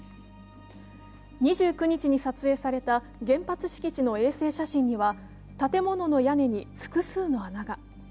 ２９日に撮影された原発敷地の衛星写真には建物の屋根に複数の穴が。